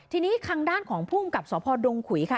ทีนี้คังด้านของผู้อำกับสภดงคุยค่ะ